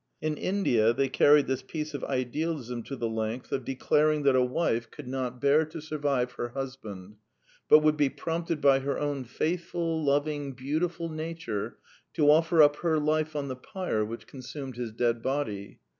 In India they carried this piece of ideal ism to the length of declaring that a wife could The Womanly Woman 35 not bear to survive her husband, but would be prompted by her own faithful, loving, beautiful nature to offer uf) her life on the pyre which consumed his dead body.